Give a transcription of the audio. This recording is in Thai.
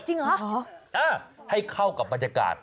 จริงเหรอให้เข้ากับบรรยากาศ